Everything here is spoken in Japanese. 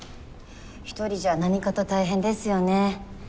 １人じゃ何かと大変ですよね。